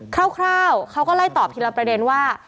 คร่าวเขาก็ไล่ตอบทีละประเด็นว่า